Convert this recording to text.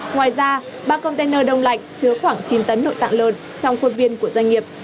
ngoài ra ba container đông lạnh chứa khoảng chín tấn nội tạng lợn trong khuôn viên của doanh nghiệp